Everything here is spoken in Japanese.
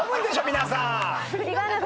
皆さん。